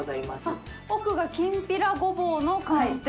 あっ奥がきんぴらごぼうの寒天？